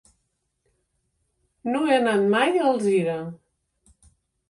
No he anat mai a Alzira.